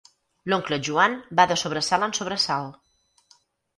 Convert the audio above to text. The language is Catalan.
L'oncle Joan va de sobresalt en sobresalt.